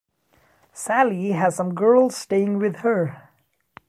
Sallie has some girls staying with her.